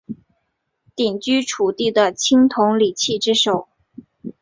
鼎居楚地的青铜礼器之首。